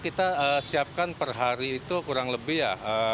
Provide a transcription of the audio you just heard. kita siapkan per hari itu kurang lebih ya